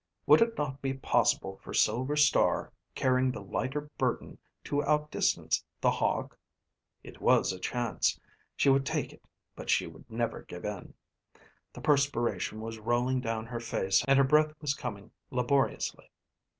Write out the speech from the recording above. Would it not be possible for Silver Star, carrying the lighter burden, to outdistance The Hawk? It was a chance. She would take it, but she would never give in. The perspiration was rolling down her face and her breath was coming laboriously.